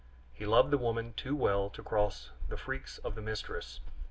He loved the woman too well to cross the freaks of the mistress.